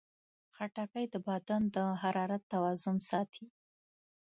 خټکی د بدن د حرارت توازن ساتي.